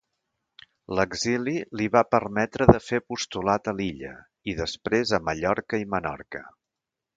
L'exili li va permetre de fer apostolat a l'illa, i després a Mallorca i Menorca.